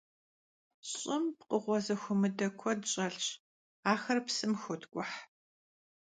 Ş'ım pkhığue zexuemıde kued ş'elhş, axer psım xotk'uh.